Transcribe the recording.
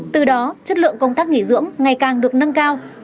từ đó chất lượng công tác nghỉ dưỡng ngày càng được nâng cao